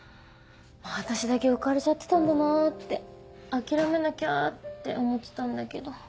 私だけ浮かれちゃってたんだなって諦めなきゃって思ってたんだけど。